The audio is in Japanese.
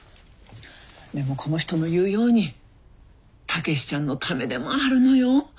でもこの人の言うように武志ちゃんのためでもあるのよ。